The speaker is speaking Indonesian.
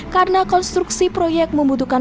karena konstruksi proyek membutuhkan